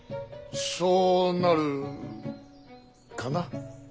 そうなるかな。